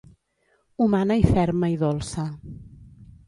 Humana i ferma i dolça.